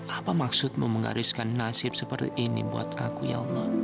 apa maksudmu menggariskan nasib seperti ini buat aku ya allah